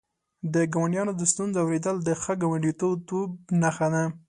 د ګاونډیانو د ستونزو اورېدل د ښه ګاونډیتوب نښه ده.